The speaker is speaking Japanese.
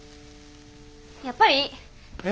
やっぱりいい。え？